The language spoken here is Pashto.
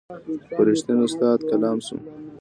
پر رښتین استاد کلام سو